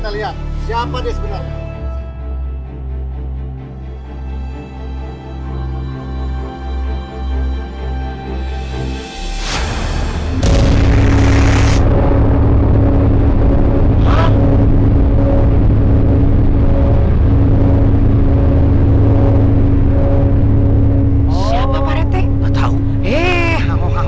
lihat siapa di sebenarnya